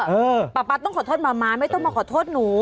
เออป๊าป๊าต้องขอโทษมาม่าไม่ต้องมาขอโทษหนู